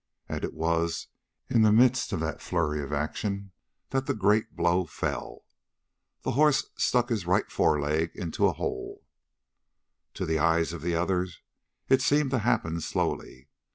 And it was in the midst of that flurry of action that the great blow fell. The horse stuck his right forefoot into a hole. To the eyes of the others it seemed to happen slowly.